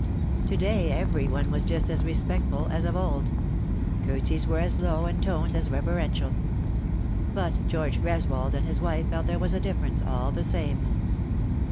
To day every one was just as respectful as of old ; curtsies were as low and tones as reverential ; but George Greswold and his wife felt there was a difference, all the same.